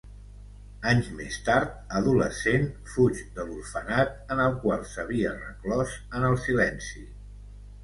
Anys més tard, adolescent, fuig de l'orfenat en el qual s'havia reclòs en el silenci.